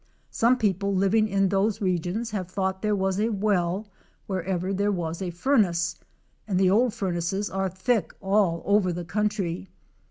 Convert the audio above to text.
Some people living in those regions have thought there was a well wherever there was a furnace, and the old furnaces are thick all over the country.